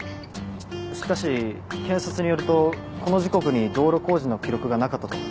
しかし検察によるとこの時刻に道路工事の記録がなかったと。